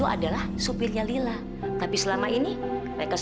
ada apa duanya dengan aku rences